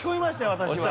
私は。